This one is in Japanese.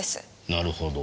なるほど。